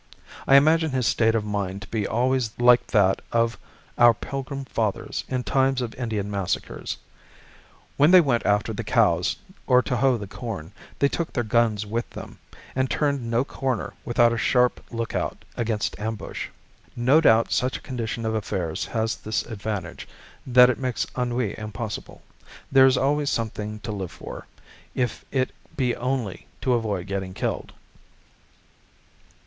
I imagine his state of mind to be always like that of our pilgrim fathers in times of Indian massacres. When they went after the cows or to hoe the corn, they took their guns with them, and turned no corner without a sharp lookout against ambush. No doubt such a condition of affairs has this advantage, that it makes ennui impossible. There is always something to live for, if it be only to avoid getting killed.